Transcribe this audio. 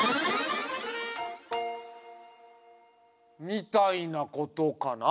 みたいなことかな？